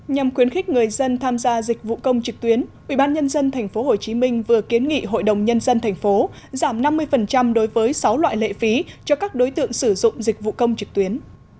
nhằm khuyến khích người dân tham gia dịch vụ công trực tuyến ubnd tp hcm vừa kiến nghị hội đồng nhân dân tp hcm giảm năm mươi đối với sáu loại lệ phí cho các đối tượng sử dụng dịch vụ công trực tuyến